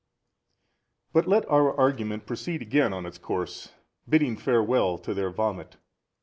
But let our argument proceed again on its course, bidding farewell to their vomit.